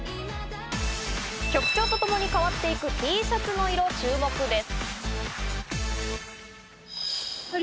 曲調とともに変わっていくＴシャツの色、注目です。